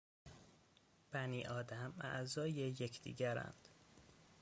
بنی آدم اعضای یکدیگرند...